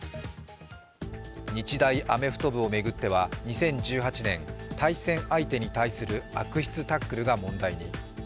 日大アメフト部を巡っては２０１８年、対戦相手に対する悪質タックルが問題に。